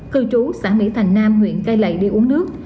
cư trú xã mỹ thành nam huyện cai lầy đi uống nước